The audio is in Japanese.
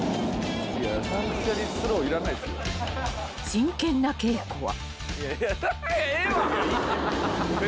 ［真剣な稽古は］